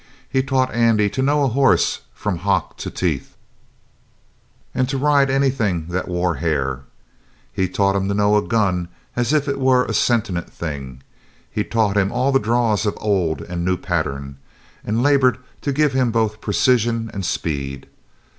He taught Andy to know a horse from hock to teeth, and to ride anything that wore hair. He taught him to know a gun as if it were a sentient thing. He taught him all the draws of old and new pattern, and labored to give him both precision and speed.